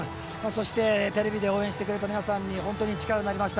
そして、テレビで応援してくれた皆さんに本当に力になりました。